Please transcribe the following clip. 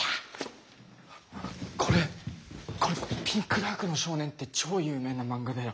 これこれ「ピンクダークの少年」って超有名な漫画だよ。